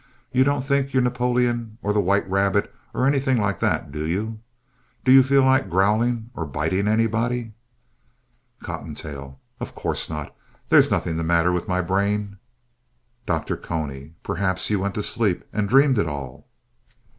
You don't think you're Napoleon or the White Rabbit or anything like that, do you? Do you feel like growling or biting anybody? COTTONTAIL Of course not. There's nothing the matter with my brain. DR. CONY Perhaps you went to sleep and dreamed it all.